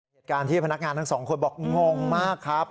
เหตุการณ์ที่พนักงานทั้งสองคนบอกงงมากครับ